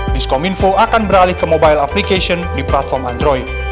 di skom info akan beralih ke mobile application di platform android